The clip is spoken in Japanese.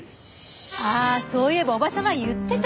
あっそういえばおば様言ってた。